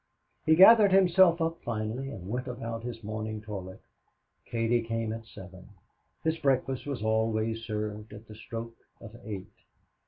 He gathered himself up finally and went about his morning toilet. Katie came at seven. His breakfast was always served at the stroke of eight.